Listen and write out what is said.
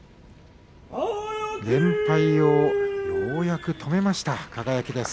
連敗をようやく止めました輝です。